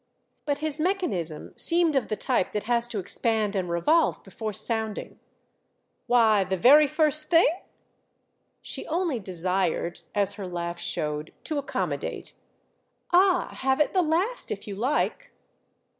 But his mechanism seemed of the type that has to expand and revolve before sounding. "Why; the very first thing?" She only desired, as her laugh showed, to accommodate. "Ah, have it the last if you like!"